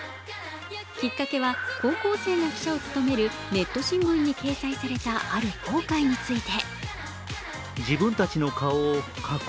きっかけは、高校生が記者を務めるネット新聞に掲載されたある後悔について。